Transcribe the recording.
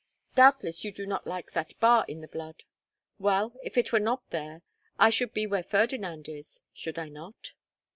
Doubtless you do not like that bar in the blood. Well, if it were not there, I should be where Ferdinand is, should I not?